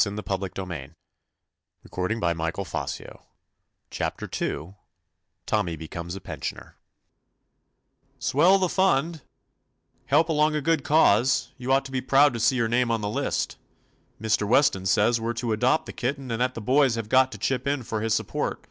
38 TOMMY POSTOFFICE CHAPTER II TOMMY BECOMES A PENSIONER "Swell the fundi Help along a good cause I You ought to be proud to see your name on the list. Mr. Weston says we 're to adopt the kitten and that the boys have got to chip in for his support.